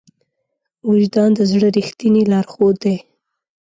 وجدان د زړه ریښتینی لارښود دی.